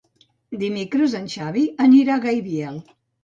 Dimecres en Xavi anirà a Gaibiel.